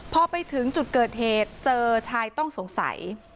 พอไปถึงจุดเกิดเหตุเจอชายต้องสงสัย